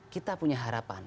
kita punya harapan